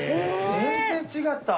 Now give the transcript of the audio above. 全然違った。